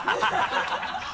ハハハ